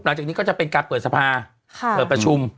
หลังจากนี้ก็จะเป็นการเปิดสภาเปิดประชุม